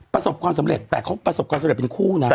ประสบความสำเร็จแต่เขาประสบความสำเร็จเป็นคู่นะ